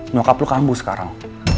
nyokap lu kambus sekarang